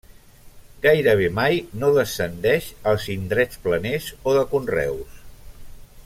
Gairebé mai no descendeix als indrets planers o de conreus.